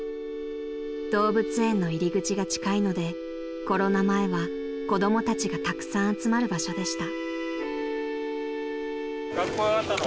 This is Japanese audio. ［動物園の入り口が近いのでコロナ前は子供たちがたくさん集まる場所でした］